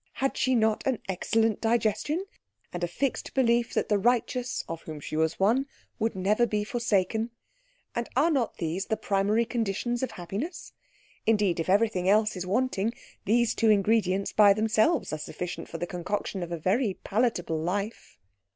Had she not an excellent digestion, and a fixed belief that the righteous, of whom she was one, would never be forsaken? And are not these the primary conditions of happiness? Indeed, if everything else is wanting, these two ingredients by themselves are sufficient for the concoction of a very palatable life.